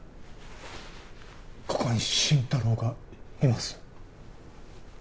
ここに心太朗がいます